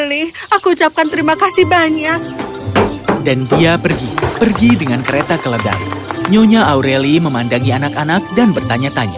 lili aku ucapkan terima kasih banyak dan dia pergi pergi dengan kereta keledai nyonya aureli memandangi anak anak dan bertanya tanya